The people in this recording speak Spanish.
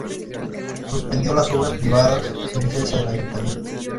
Suspendió las obras privadas sin licencia del ayuntamiento.